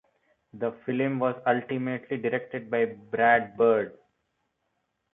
The film was ultimately directed by Brad Bird.